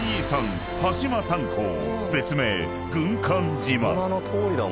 ［別名軍艦島］